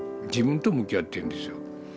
自分と向き合ってるんですよ。